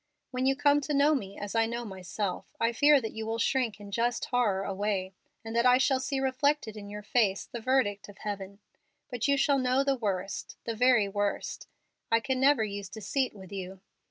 When you come to know me as I know myself, I fear that you will shrink in just horror away, and that I shall see reflected in your face the verdict of heaven. But you shall know the worst the very worst. I can never use deceit with you.